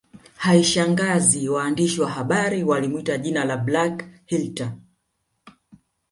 Haishangazi waandishi wa habari walimwita jina la Black Hitler